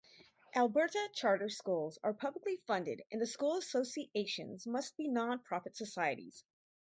Alberta charter schools are publicly funded and the school associations must be non-profit societies.